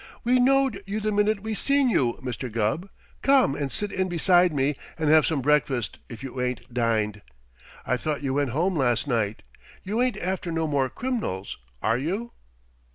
"We knowed you the minute we seen you, Mr. Gubb. Come and sit in beside me and have some breakfast if you ain't dined. I thought you went home last night. You ain't after no more crim'nals, are you?"